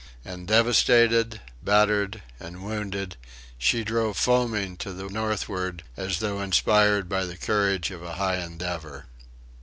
And devastated, battered, and wounded she drove foaming to the northward, as though inspired by the courage of a high endeavour....